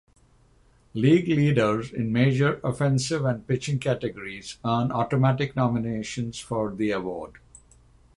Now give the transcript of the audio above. League leaders in major offensive and pitching categories earn automatic nominations for the award.